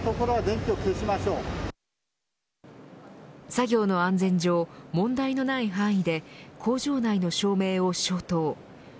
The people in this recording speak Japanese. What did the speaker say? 作業の安全上問題のない範囲で工場内の照明を消灯。